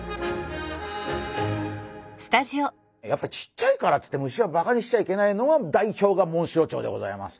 やっぱりちっちゃいからっつって虫をバカにしちゃいけない代表がモンシロチョウでございます。